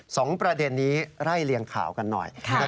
สองประเด็นนี้ไล่เลียงข่าวกันหน่อย